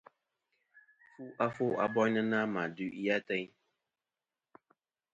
Fu afo a boynɨnɨ-a ma duʼi ateyn.